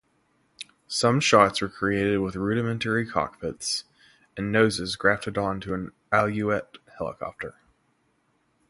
Some shots were created with rudimentary cockpits and noses grafted to an Alouette helicopter.